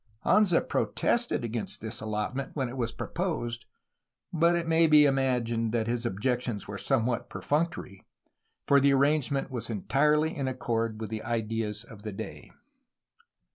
Anza protested against this allotment when it was proposed, but it may be imagined that his objections were somewhat perfunctory, for the arrangement was entirely in accord with the ideas of the day.